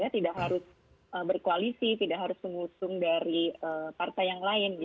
tidak harus berkoalisi tidak harus mengusung dari partai yang lain